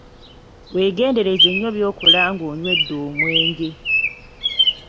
Weegendereze nnyo byokola ng'onywedde omwenge.